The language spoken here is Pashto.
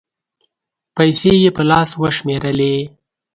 پېسې یې په لاس و شمېرلې